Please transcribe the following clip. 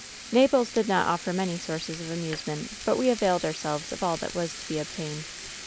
"Naples did not offer many sources of amusement, but we availed ourselves of all that was to be obtained.